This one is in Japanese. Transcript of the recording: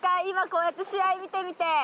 今こうやって試合見てみて。